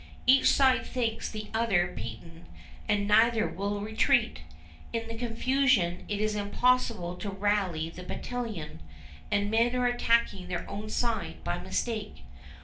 Each side thinks the other beaten, and neither will retreat. In the confusion it is impossible to rally the battalions, and men are attacking their own side by mistake.